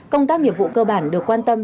công tác nghiệp vụ cơ bản được quan tâm